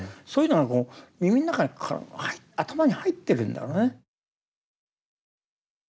そういうのはこう耳の中に頭に入ってるんだろうね。